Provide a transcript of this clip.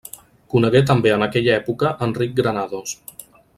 Conegué també en aquella època Enric Granados.